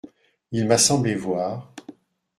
Il m’a semblé voir…